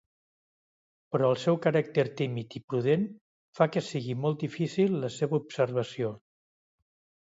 Però el seu caràcter tímid i prudent fa que sigui molt difícil la seva observació.